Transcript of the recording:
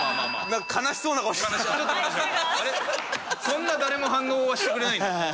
そんな誰も反応はしてくれないんだ。